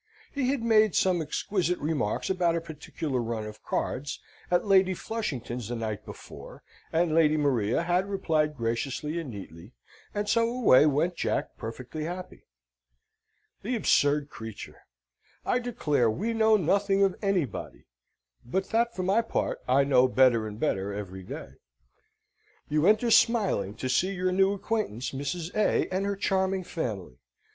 He had made some exquisite remarks about a particular run of cards at Lady Flushington's the night before, and Lady Maria had replied graciously and neatly, and so away went Jack perfectly happy. The absurd creature! I declare we know nothing of anybody (but that for my part I know better and better every day). You enter smiling to see your new acquaintance, Mrs. A. and her charming family.